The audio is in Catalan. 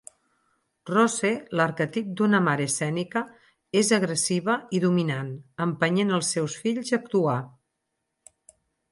Rose, l'arquetip d'una mare escènica, és agressiva i dominant, empenyent els seus fills a actuar.